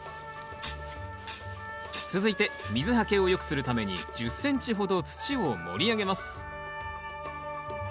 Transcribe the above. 続いて水はけを良くするために１０ｃｍほど土を盛り上げます。